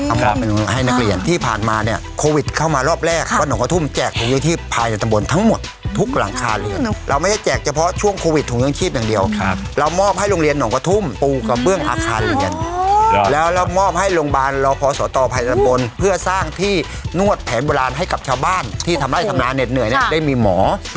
มาเนี่ยโควิดเข้ามารอบแรกค่ะว่าหนูกระทุ่มแจกถุงยกที่ภายในตำบลทั้งหมดทุกหลังคาเรือนเราไม่ได้แจกเฉพาะช่วงโควิดถุงยกชีพอย่างเดียวครับเรามอบให้โรงเรียนหนูกระทุ่มปูกระเบื้องอาคารเรือนแล้วเรามอบให้โรงบาลรอพศตภายในตำบลเพื่อสร้างที่นวดแผนบุราณให้กับชาวบ้านที่ทำได้ทํ